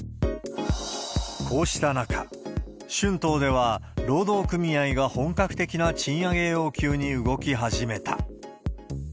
こうした中、春闘では労働組合が本格的な賃上げ要求に動き始めた。